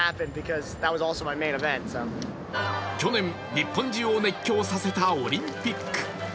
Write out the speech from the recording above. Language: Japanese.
去年、日本中を熱狂させたオリンピック。